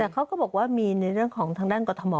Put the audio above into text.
เขาก็บอกว่ามีในเรื่องของทางด้านกรทม